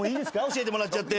教えてもらっちゃって。